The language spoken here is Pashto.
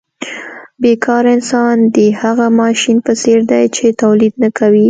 بې کاره انسان د هغه ماشین په څېر دی چې تولید نه کوي